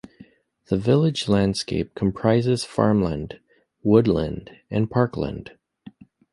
The village landscape comprises farmland, woodland and parkland.